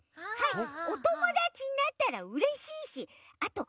おともだちになったらうれしいしあとおいしいですしね。